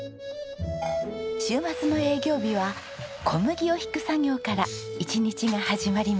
週末の営業日は小麦をひく作業から一日が始まります。